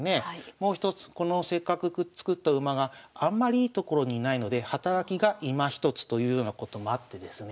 もう一つこのせっかく作った馬があんまりいい所に居ないので働きがいまひとつというようなこともあってですね